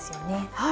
はい。